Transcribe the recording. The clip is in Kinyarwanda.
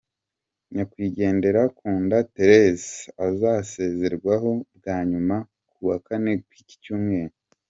Nyakwigendera Kunda Thérèse azasezerwaho bwa nyuma ku wa Kane w’iki cyumweru.